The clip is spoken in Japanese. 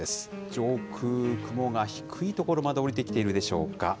上空、雲が低い所までおりてきているでしょうか。